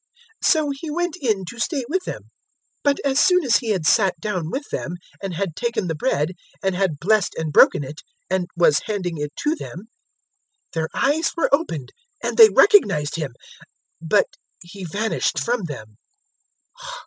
So He went in to stay with them. 024:030 But as soon as He had sat down with them, and had taken the bread and had blessed and broken it, and was handing it to them, 024:031 their eyes were opened and they recognized Him. But He vanished from them.